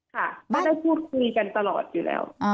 ค่ะไม่ได้พูดคุยกันตลอดอยู่แล้ว